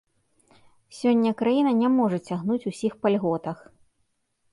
Сёння краіна не можа цягнуць усіх па льготах.